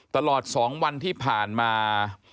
ตลอด๒วันที่ผ่านมา